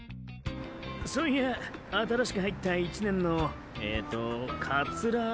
そういや新しく入った１年のえっとカツラ。